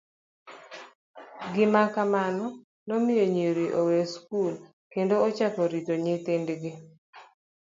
Gima kama nomiyo nyiri oweyo skul kendo ochako rito nyithindgi.